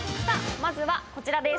まずはこちらです。